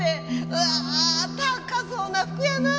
うわあ高そうな服やなあ。